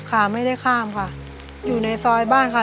ขาไม่ได้ข้ามค่ะอยู่ในซอยบ้านค่ะ